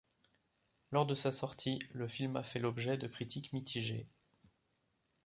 Lors de sa sortie, le film a fait l'objet de critiques mitigées.